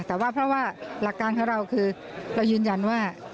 แต่ว่าเพราะว่าหลักการของเราคือเรายืนยันว่า